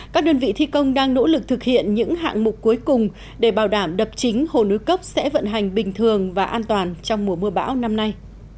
các đơn vị thi công đang nỗ lực thực hiện những hạng mục cuối cùng để bảo đảm đập chính hồ núi cốc sẽ vận hành bình thường và an toàn trong mùa mưa bão năm nay